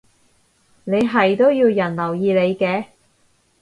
你係都要人留意你嘅